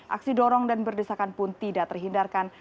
aksi dorong dan berdesakan pun tidak terhindarkan